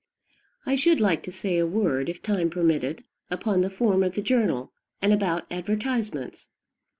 I should like to say a word, if time permitted, upon the form of the journal, and about advertisements.